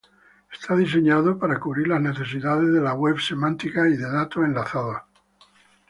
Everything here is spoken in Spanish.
Está diseñado para cubrir las necesidades de la web semántica y de datos enlazados.